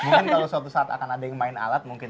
mungkin kalau suatu saat akan ada yang main alat mungkin